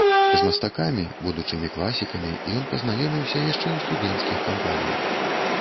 З мастакамі, будучымі класікамі, ён пазнаёміўся яшчэ ў студэнцкіх кампаніях.